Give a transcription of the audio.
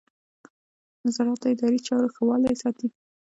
نظارت د اداري چارو ښه والی ساتي.